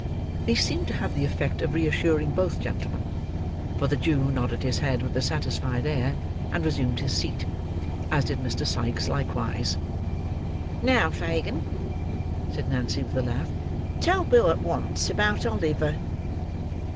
These seemed to have the effect of re assuring both gentlemen; for the Jew nodded his head with a satisfied air, and resumed his seat: as did Mr. Sikes likewise. "Now, Fagin," said Nancy with a laugh. "Tell Bill at once, about Oliver!"